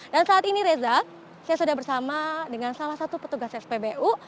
dan saat ini reza saya sudah bersama dengan salah satu petugas spbu